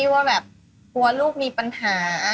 ว่าแบบกลัวลูกมีปัญหา